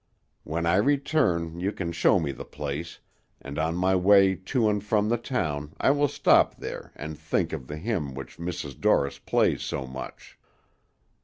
When I return, you can show me the place, and on my way to and from the town I will stop there and think of the hymn which Mrs. Dorris plays so much."